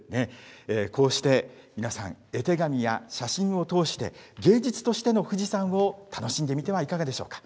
こうして皆さん、絵手紙や写真を通して、芸術としての富士山を楽しんでみてはいかがでしょうか。